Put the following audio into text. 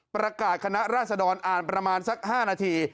ประกาศคณะราษดรอ่านประมาณสัก๕นาที